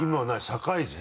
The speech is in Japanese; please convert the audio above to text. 社会人？